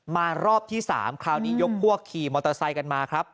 รอบที่๓คราวนี้ยกพวกขี่มอเตอร์ไซค์กันมาครับ